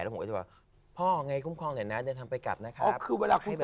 แล้วผมก็จะว่าพ่อไงคุ้มครองไหนนะเดินทางไปกลับนะครับ